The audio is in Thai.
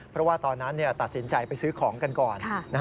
เพราะว่าตอนนั้นตัดสินใจไปซื้อของกันก่อน